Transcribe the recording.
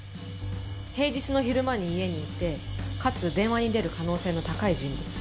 平日の昼間に家にいてかつ電話に出る可能性の高い人物。